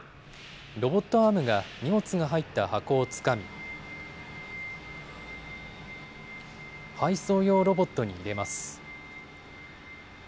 ロボットアームが荷物が入った箱をつかみ、配送用ロボットに入れます。